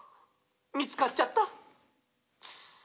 みつかっちゃった！」